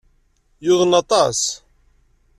Yuḍen aṭas.